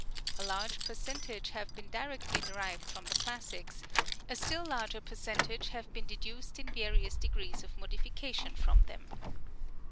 A large percentage have been directly derived from the classics ; a still larger percentage have been deduced in various degrees of modification from them.